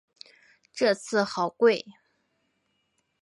这次好贵